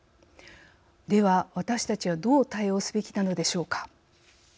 では、私たちはどう対応すべきなのでしょうか。